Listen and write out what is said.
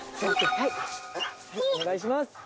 はいお願いします。